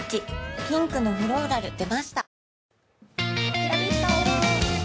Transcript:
ピンクのフローラル出ました